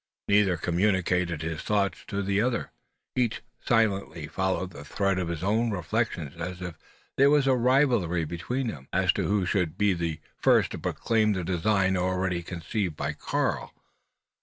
Neither communicated his thoughts to the other; each silently followed the thread of his own reflections as if there was a rivalry between them, as to who should be the first to proclaim the design already conceived by Karl.